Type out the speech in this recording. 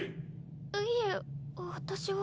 いえ私は。